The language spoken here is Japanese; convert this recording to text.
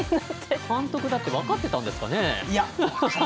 監督だって分かってたんですかね。